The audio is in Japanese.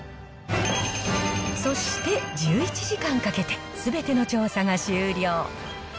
そして１１時間かけて、すべての調査が終了。